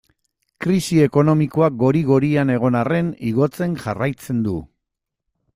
Krisi ekonomikoa gori-gorian egon arren igotzen jarraitzen du.